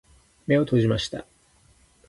目を閉じました。